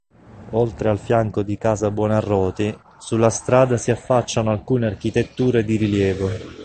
Oltre al fianco di Casa Buonarroti, sulla strada si affacciano alcune architetture di rilievo.